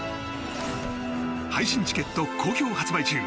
配信チケット好評発売中。